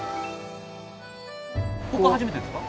ここ初めてですか？